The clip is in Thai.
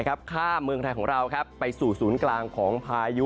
ข้ามเมืองไทยของเราไปสู่ศูนย์กลางของพายุ